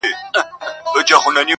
په لوی لاس به ورانوي د ژوندون خونه؛